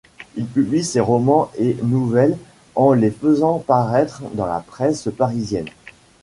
Il publie ses romans et nouvelles en les faisant paraître dans la presse parisienne.